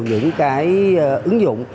những cái ứng dụng